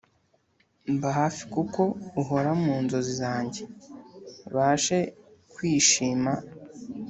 mba hafi, kuko uhora mu nzozi zanjye, bashe kwishima